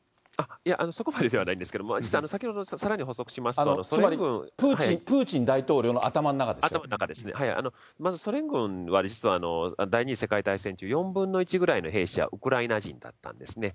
いや、そこまでではないんですけど、実は先ほどのを、つまりプーチン大統領の頭の頭の中ですね、まず、ソ連軍は、実は第２次世界大戦中、４分の１ぐらいの兵士はウクライナ人だったんですね。